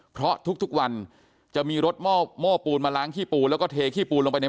เพราะทุกวันจะมีรถโม้ปูนมาล้างขี้ปูนแล้วก็เทขี้ปูนลงไปใน